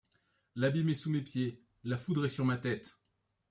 L'abîme est sous mes pieds, la foudre est sur ma tête